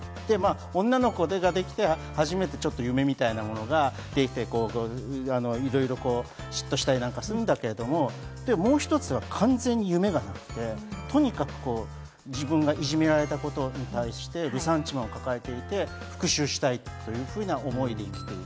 女の子ができて、初めてちょっと夢みたいなものができて、いろいろ嫉妬したりするんだけれども、もう一つは完全に夢ができて、とにかく自分がいじめられたりして、復讐したいというふうな思いで生きていく。